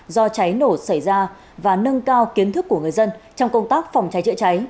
do cháy nổ xảy ra và nâng cao kiến thức của người dân trong công tác phòng cháy chữa cháy